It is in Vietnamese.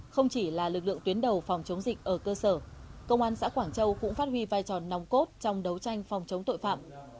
không chỉ là lực lượng tuyến đầu phòng chống dịch ở cơ sở công an xã quảng châu cũng phát huy vai trò nòng cốt trong đấu tranh phòng chống tội phạm